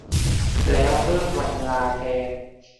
แล้วเพิ่มวันลาแทน